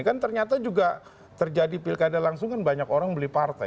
kan ternyata juga terjadi pilkada langsung kan banyak orang beli partai